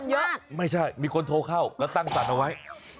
มากไม่ใช่มีคนโทรเข้าร่วงแล้วตั้งมันสั่นเอาไว้